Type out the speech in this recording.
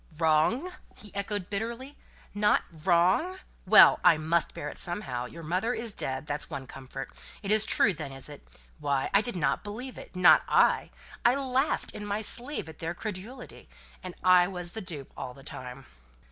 "Wrong!" he echoed, bitterly. "Not wrong? Well! I must bear it somehow. Your mother is dead. That's one comfort. It is true, then, is it? Why, I didn't believe it not I. I laughed in my sleeve at their credulity; and I was the dupe all the time!"